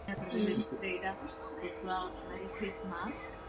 Od okamžiku, kdy se bakterie objevila, byla nutná rychlá akce.